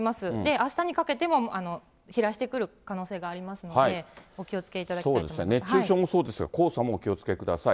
あしたにかけても飛来してくる可能性がありますので、熱中症もそうですが、黄砂もお気をつけください。